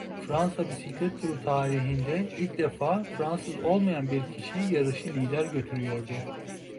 Fransa Bisiklet Turu tarihinde ilk defa Fransız olmayan bir kişi yarışı lider götürüyordu.